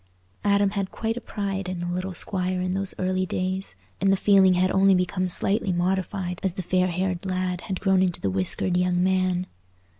Adam had quite a pride in the little squire in those early days, and the feeling had only become slightly modified as the fair haired lad had grown into the whiskered young man.